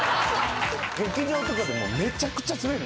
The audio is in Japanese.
劇場とかでもめちゃくちゃスベる。